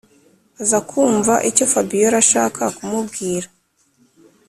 aza kumva icyo fabiora ashaka kumubwira.